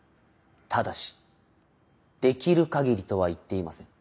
ただし「できる限り」とは言っていません。